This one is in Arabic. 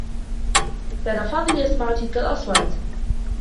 كان فاضل يسمع تلك الأصوات.